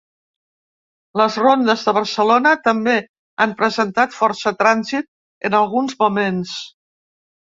Les rondes de Barcelona també han presentat força trànsit en alguns moments.